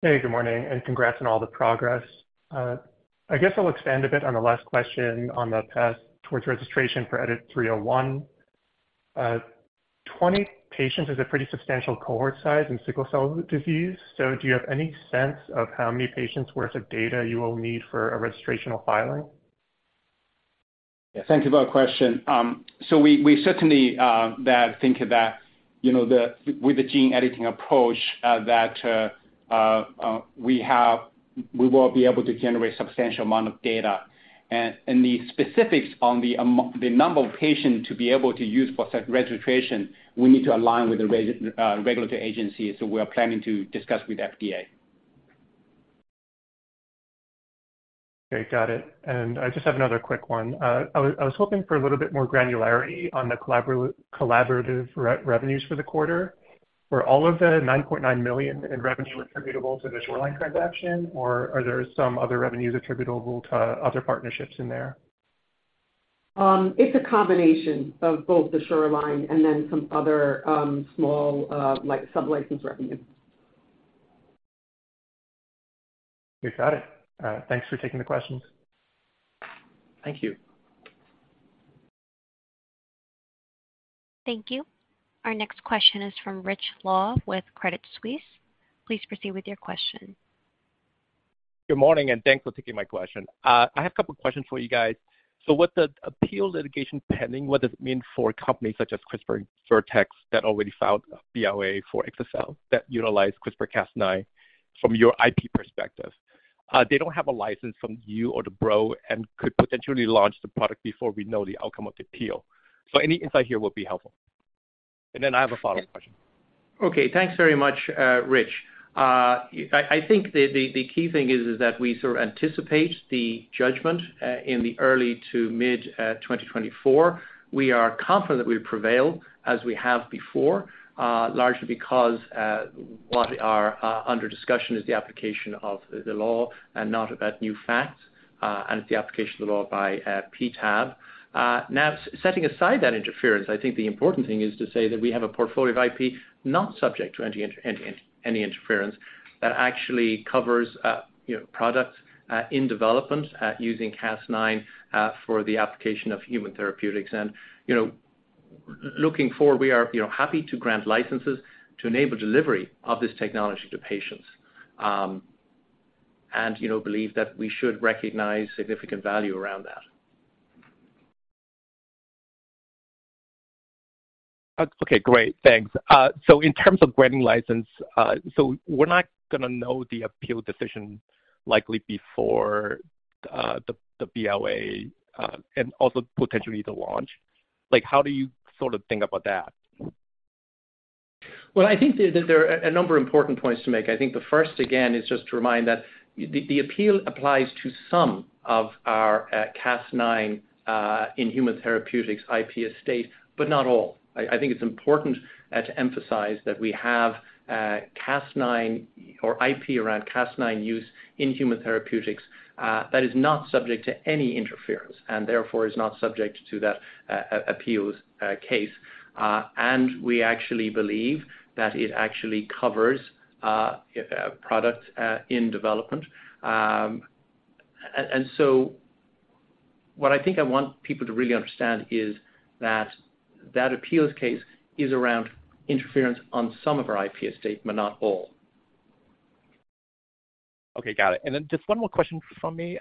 Hey, good morning, congrats on all the progress. I guess I'll expand a bit on the last question on the path towards registration for EDIT-301. 20 patients is a pretty substantial cohort size in sickle cell disease. Do you have any sense of how many patients worth of data you will need for a registrational filing? Thank you for that question. We, we certainly, you know, with the gene editing approach, we will be able to generate substantial amount of data. The specifics on the number of patients to be able to use for such registration, we need to align with the regulatory agencies. We are planning to discuss with FDA. Okay, got it. I just have another quick one. I was hoping for a little bit more granularity on the collaborative revenues for the quarter. Were all of the $9.9 million in revenue attributable to the Shoreline transaction, or are there some other revenues attributable to other partnerships in there? It's a combination of both the Shoreline and then some other, small, like, sub-license revenue. You got it. Thanks for taking the questions. Thank you. Thank you. Our next question is from Rich Law with Credit Suisse. Please proceed with your question. Good morning, and thanks for taking my question. I have a couple questions for you guys. With the appeal litigation pending, what does it mean for companies such as CRISPR and Vertex that already filed a BLA for Exa-cel that utilize CRISPR Cas9 from your IP perspective? They don't have a license from you or the Broad Institute and could potentially launch the product before we know the outcome of the appeal. Any insight here would be helpful. I have a follow-up question. Okay. Thanks very much, Rich. I think the key thing is that we sort of anticipate the judgment in the early to mid 2024. We are confident that we prevail as we have before, largely because what are under discussion is the application of the law and not about new facts, and it's the application of the law by PTAB. Now setting aside that interference, I think the important thing is to say that we have a portfolio of IP not subject to any interference that actually covers, you know, products in development, using Cas9 for the application of human therapeutics. You know, looking forward, we are, you know, happy to grant licenses to enable delivery of this technology to patients, and, you know, believe that we should recognize significant value around that. Okay, great. Thanks. In terms of granting license, we're not gonna know the appeal decision likely before the BLA and also potentially the launch. Like, how do you sort of think about that? Well, I think there are a number of important points to make. I think the first, again, is just to remind that the appeal applies to some of our Cas9 in human therapeutics IP estate, but not all. I think it's important to emphasize that we have Cas9 or IP around Cas9 use in human therapeutics that is not subject to any interference and therefore is not subject to that appeal's case. We actually believe that it actually covers products in development. What I think I want people to really understand is that that appeals case is around interference on some of our IP estate, but not all. Okay, got it. Just one more question from me.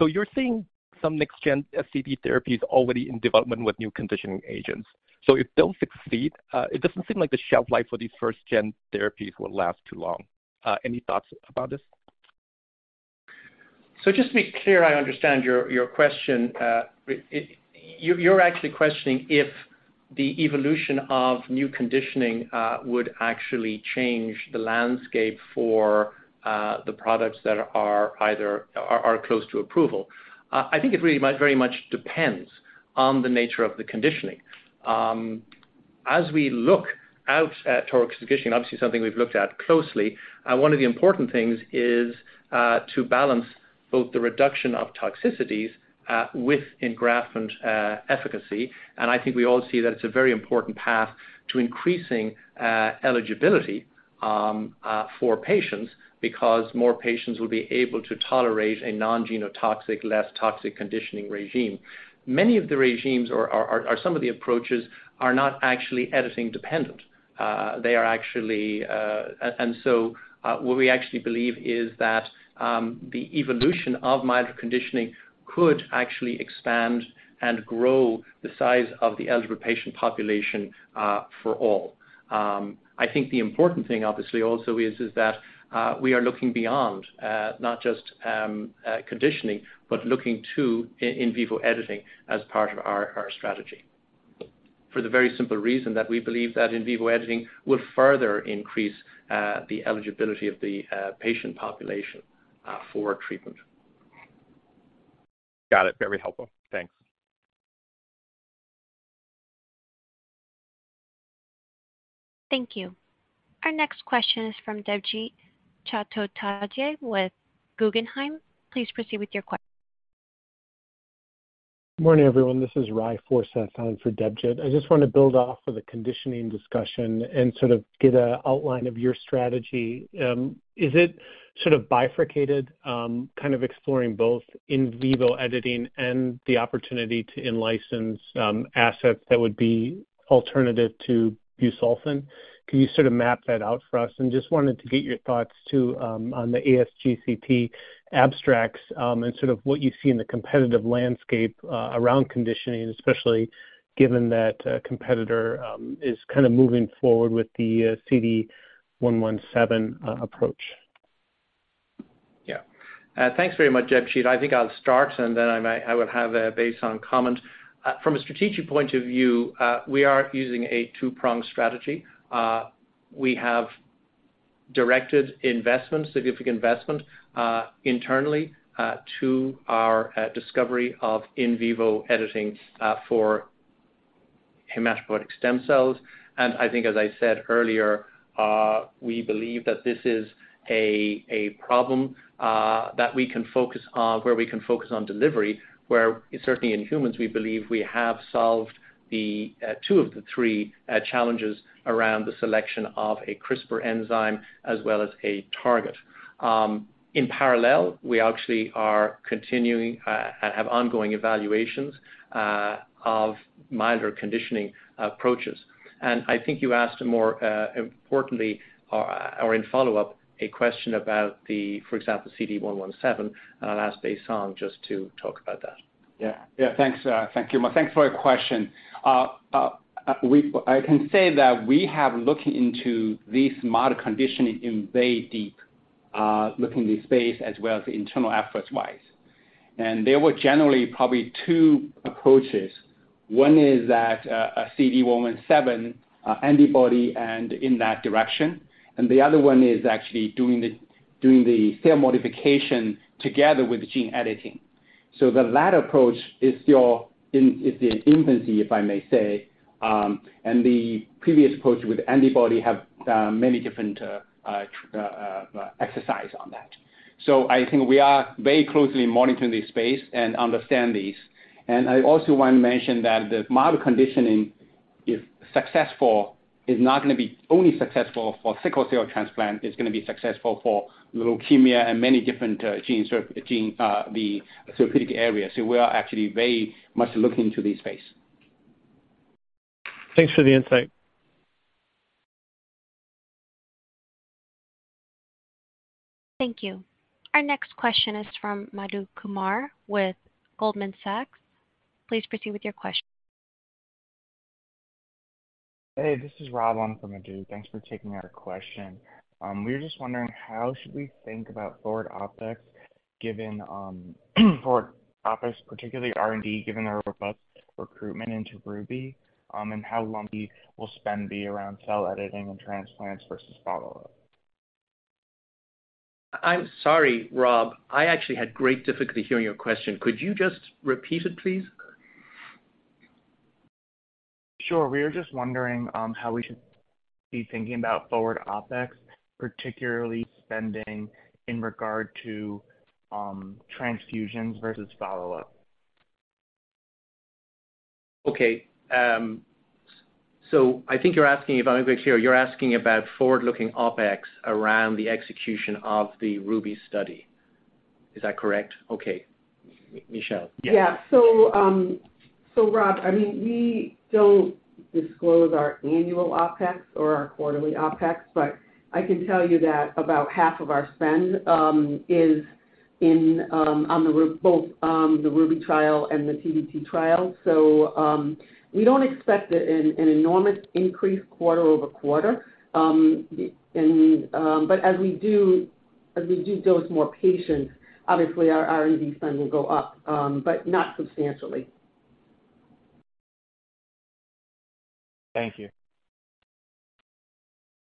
You're seeing some next-gen SCD therapies already in development with new conditioning agents. If they don't succeed, it doesn't seem like the shelf life for these first-gen therapies will last too long. Any thoughts about this? Just to be clear, I understand your question. You're actually questioning if the evolution of new conditioning would actually change the landscape for the products that are close to approval. I think it really might very much depends on the nature of the conditioning. As we look out at total execution, obviously something we've looked at closely, one of the important things is to balance both the reduction of toxicities with engraft and efficacy. I think we all see that it's a very important path to increasing eligibility for patients because more patients will be able to tolerate a non-genotoxic, less toxic conditioning regime. Many of the regimes or some of the approaches are not actually editing dependent. They are actually, what we actually believe is that the evolution of milder conditioning could actually expand and grow the size of the eligible patient population for all. I think the important thing obviously also is that we are looking beyond not just conditioning, but looking to in vivo editing as part of our strategy. For the very simple reason that we believe that in vivo editing will further increase the eligibility of the patient population for treatment. Got it. Very helpful. Thanks. Thank you. Our next question is from Debjit Chattopadhyay with Guggenheim. Please proceed with your que- Morning, everyone. This is Ry Forseth in for Debjit. I just want to build off of the conditioning discussion and sort of get a outline of your strategy. Is it sort of bifurcated, kind of exploring both in vivo editing and the opportunity to in-license, assets that would be alternative to busulfan? Can you sort of map that out for us? Just wanted to get your thoughts too, on the ASGCT abstracts, and sort of what you see in the competitive landscape, around conditioning, especially given that a competitor, is kind of moving forward with the, CD117, approach? Yeah. Thanks very much, Debjit. I think I'll start, and then I will have Baisong comment. From a strategic point of view, we are using a two-pronged strategy. We have directed investments, significant investment, internally, to our discovery of in vivo editing for hematopoietic stem cells. I think as I said earlier, we believe that this is a problem where we can focus on delivery, where certainly in humans, we believe we have solved the 2 of the 3 challenges around the selection of a CRISPR enzyme as well as a target. In parallel, we actually are continuing and have ongoing evaluations of milder conditioning approaches. I think you asked more, importantly or in follow-up, a question about the, for example, CD117, and I'll ask Baisong just to talk about that. Yeah. Yeah. Thanks, thank you. Thanks for your question. I can say that we have looked into this mild conditioning in very deep, looking this space as well as internal efforts-wise. There were generally probably two approaches. One is that, a CD117 antibody and in that direction, and the other one is actually doing the cell modification together with the gene editing. The latter approach is in infancy, if I may say, and the previous approach with antibody have many different exercise on that. I think we are very closely monitoring this space and understand these. I also want to mention that the mild conditioning, if successful, is not gonna be only successful for sickle cell transplant. It's gonna be successful for leukemia and many different, gene, the therapeutic areas. We are actually very much looking into this space. Thanks for the insight. Thank you. Our next question is from Madhu Kumar with Goldman Sachs. Please proceed with your question. Hey, this is Rob on for Madhu. Thanks for taking our question. We were just wondering how should we think about forward OpEx, particularly R&D, given our robust recruitment into RUBY, and how lumpy will spend be around cell editing and transplants versus follow-up? I'm sorry, Rob. I actually had great difficulty hearing your question. Could you just repeat it, please? Sure. We are just wondering, how we should be thinking about forward OpEx, particularly spending in regard to, transfusions versus follow-up. Okay. I think you're asking, if I'm very clear, you're asking about forward-looking OpEx around the execution of the RUBY study. Is that correct? Okay. Michelle? Rob, I mean, we don't disclose our annual OpEx or our quarterly OpEx, but I can tell you that about half of our spend is in on both the RUBY trial and the TDT trial. We don't expect an enormous increase quarter over quarter. As we do dose more patients, obviously our R&D spend will go up, but not substantially. Thank you.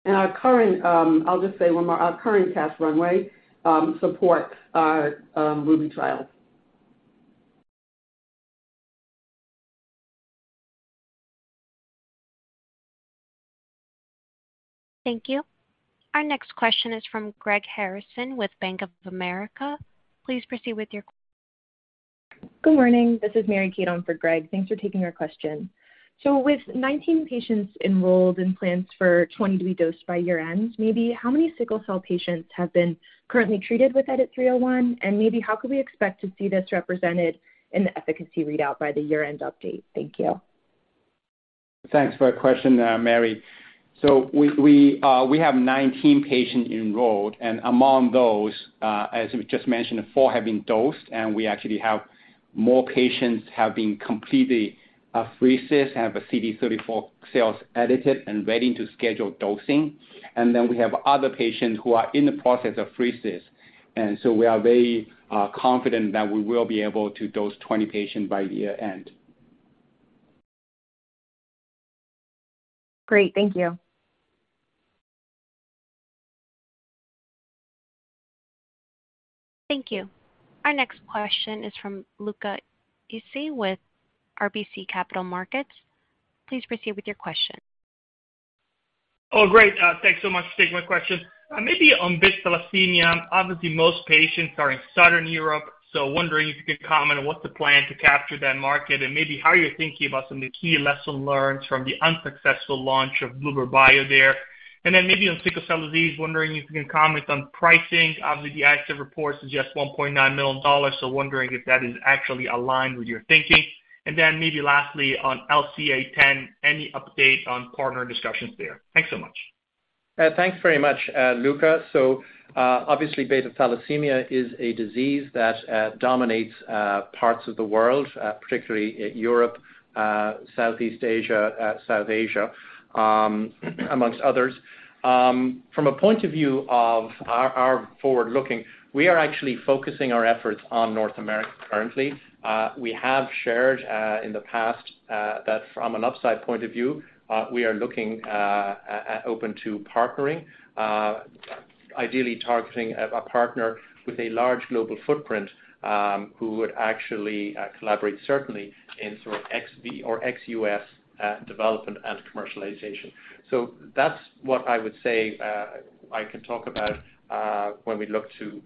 Our current, I'll just say one more. Our current cash runway supports our RUBY trial. Thank you. Our next question is from Greg Harrison with Bank of America. Please proceed with your... Good morning. This is Mary Kate on for Greg. Thanks for taking our question. With 19 patients enrolled in plans for 20 to be dosed by year-end, maybe how many sickle cell patients have been currently treated with EDIT-301? Maybe how could we expect to see this represented in the efficacy readout by the year-end update? Thank you. Thanks for that question, Mary. We have 19 patients enrolled, and among those, as we just mentioned, four have been dosed, and we actually have more patients have been completely apheresis, have a CD34 cells edited and ready to schedule dosing. We have other patients who are in the process of apheresis. We are very confident that we will be able to dose 20 patients by the year-end. Great. Thank you. Thank you. Our next question is from Luca Issi with RBC Capital Markets. Please proceed with your question. Oh, great. thanks so much for taking my question. Maybe on beta thalassemia, obviously most patients are in Southern Europe, so wondering if you could comment on what's the plan to capture that market and maybe how you're thinking about some of the key lessons learned from the unsuccessful launch of bluebird bio there. Then maybe on sickle cell disease, wondering if you can comment on pricing. Obviously, the ICER reports is just $1.9 million, so wondering if that is actually aligned with your thinking. Then maybe lastly, on LCA10, any update on partner discussions there? Thanks so much. Thanks very much, Luca. Obviously, beta thalassemia is a disease that dominates parts of the world, particularly Europe, Southeast Asia, South Asia, amongst others. From a point of view of our forward-looking, we are actually focusing our efforts on North America currently. We have shared in the past that from an upside point of view, we are looking open to partnering, ideally targeting a partner with a large global footprint, who would actually collaborate certainly in sort of ex-U.S. development and commercialization. That's what I would say I can talk about when we look to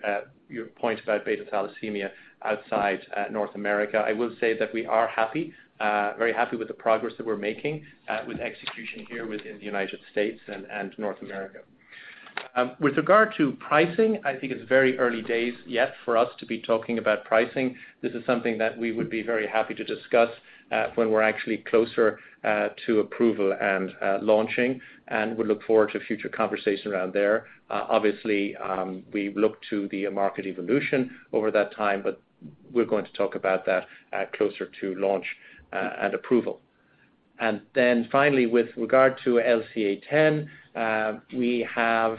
your point about beta thalassemia outside North America. I will say that we are happy, very happy with the progress that we're making, with execution here within the United States and North America. With regard to pricing, I think it's very early days yet for us to be talking about pricing. This is something that we would be very happy to discuss, when we're actually closer to approval and launching, and we look forward to future conversation around there. Obviously, we look to the market evolution over that time, but we're going to talk about that closer to launch and approval. Finally, with regard to LCA10, we have,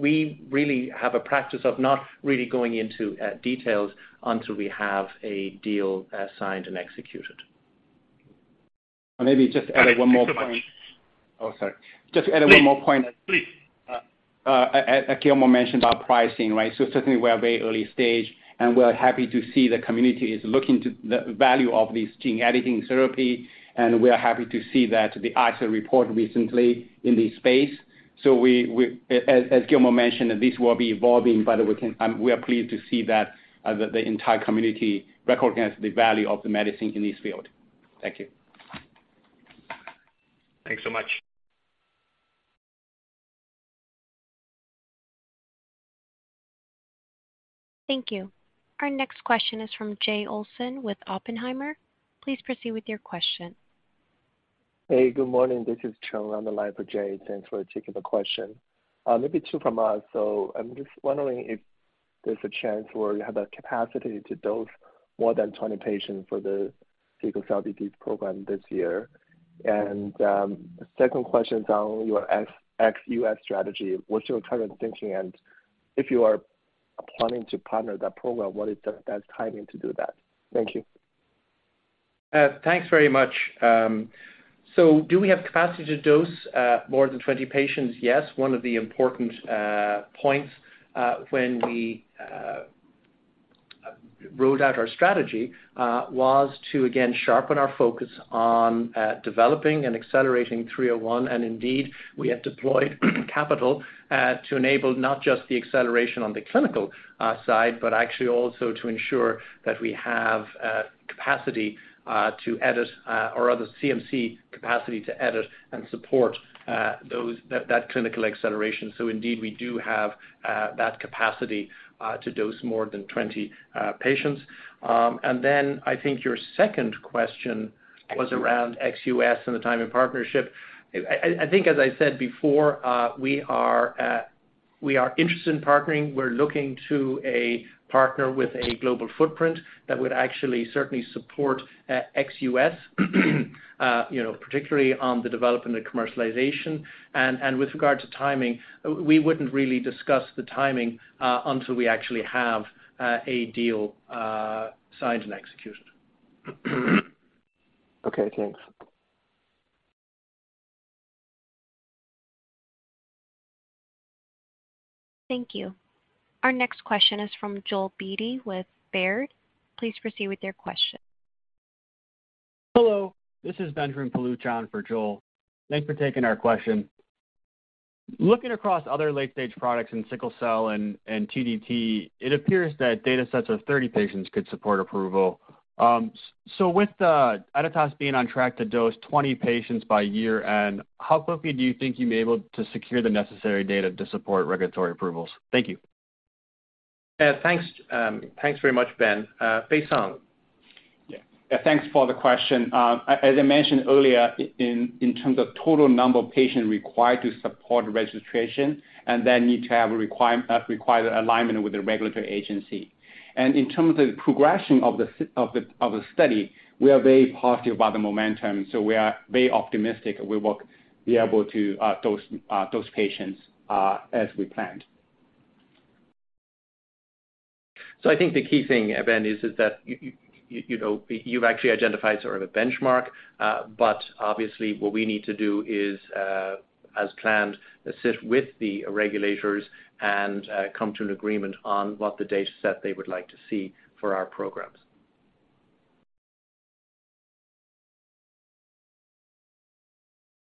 we really have a practice of not really going into details until we have a deal signed and executed. Maybe just to add one more point. Thanks so much. Oh, sorry. Just to add one more point. Please. As Gilmore mentioned about pricing, right? Certainly we are very early stage. We're happy to see the community is looking to the value of this gene editing therapy. We are happy to see that the ICO report recently in this space. As Gilmore mentioned, this will be evolving, but we are pleased to see that the entire community recognize the value of the medicine in this field. Thank you. Thanks so much. Thank you. Our next question is from Jay Olson with Oppenheimer. Please proceed with your question. Hey, good morning. This is Cheng. I'm on the line for Jay. Thanks for taking the question. Maybe two from us. I'm just wondering if there's a chance where you have a capacity to dose more than 20 patients for the sickle cell disease program this year? Second question is on your ex-U.S. strategy. What's your current thinking and if you are planning to partner that program, what is the best timing to do that? Thank you. Thanks very much. Do we have capacity to dose more than 20 patients? Yes. One of the important points when we wrote out our strategy was to again sharpen our focus on developing and accelerating EDIT-301, and indeed, we have deployed capital to enable not just the acceleration on the clinical side, but actually also to ensure that we have capacity to edit, or rather CMC capacity to edit and support that clinical acceleration. Indeed, we do have that capacity to dose more than 20 patients. I think your second question was around ex-US and the timing partnership. I think as I said before, we are interested in partnering. We're looking to a partner with a global footprint that would actually certainly support ex-U.S., you know, particularly on the development and commercialization. With regard to timing, we wouldn't really discuss the timing until we actually have a deal signed and executed. Okay, thanks. Thank you. Our next question is from Joel Beatty with Baird. Please proceed with your question. Hello, this is Benjamin Paluch for Joel. Thanks for taking our question. Looking across other late-stage products in sickle cell and TDT, it appears that datasets of 30 patients could support approval. With the Editas being on track to dose 20 patients by year end, how quickly do you think you'll be able to secure the necessary data to support regulatory approvals? Thank you. Thanks. Thanks very much, Ben. Baisong. Yeah. Thanks for the question. As I mentioned earlier, in terms of total number of patients required to support registration and then need to have a required alignment with the regulatory agency. In terms of the progression of the study, we are very positive about the momentum, so we are very optimistic we will be able to dose patients as we planned. I think the key thing, Ben, is that you know, you've actually identified sort of a benchmark, but obviously what we need to do is, as planned, sit with the regulators and, come to an agreement on what the dataset they would like to see for our programs.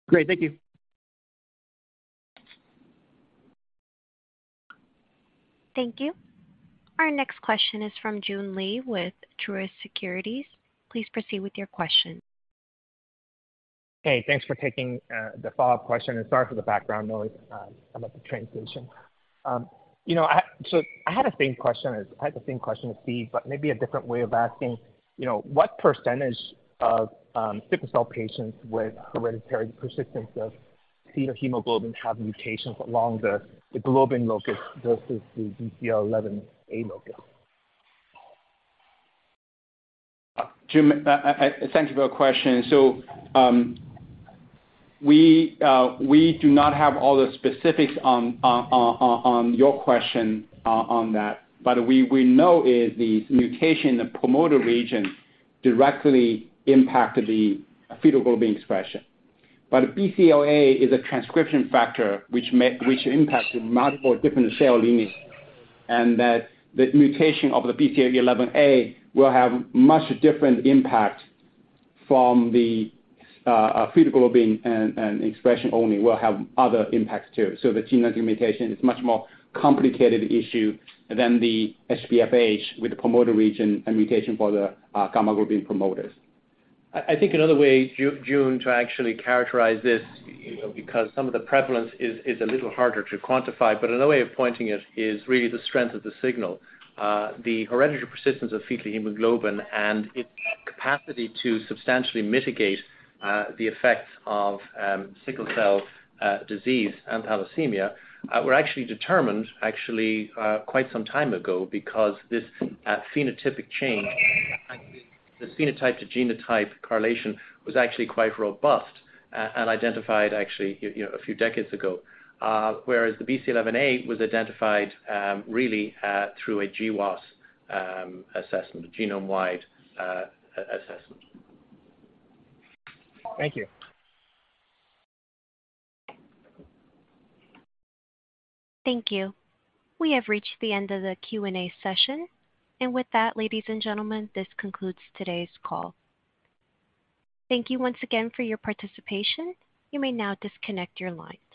Great. Thank you. Thank you. Our next question is from Joon Lee with Truist Securities. Please proceed with your question. Hey, thanks for taking the follow-up question. Sorry for the background noise. I'm at the train station. You know, I had the same question as Steve, but maybe a different way of asking. You know, what percentage of sickle cell patients with hereditary persistence of fetal hemoglobin have mutations along the globin locus versus the BCL11A locus? Jim, thanks for your question. We do not have all the specifics on your question on that. We know is the mutation, the promoter region directly impacted the fetal globin expression. BCL11A is a transcription factor which impacts multiple different cell units, and that the mutation of the BCL11A will have much different impact from the fetal globin and expression only will have other impacts too. The gene editing mutation is much more complicated issue than the HPFH with the promoter region and mutation for the gamma-globin promoters. I think another way, Joon, to actually characterize this, you know, because some of the prevalence is a little harder to quantify, but another way of pointing it is really the strength of the signal. The hereditary persistence of fetal hemoglobin and its capacity to substantially mitigate the effects of sickle cell disease and thalassemia were actually determined actually quite some time ago because this phenotypic change actually the phenotype to genotype correlation was actually quite robust and identified actually you know a few decades ago. Whereas the BCL11A was identified really through a GWAS assessment, genome-wide assessment. Thank you. Thank you. We have reached the end of the Q&A session. With that, ladies and gentlemen, this concludes today's call. Thank you once again for your participation. You may now disconnect your lines.